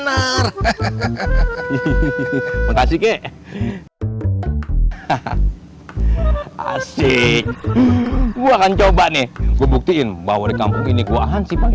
asyik coba nih buktiin bahwa di kampung ini kuahan sih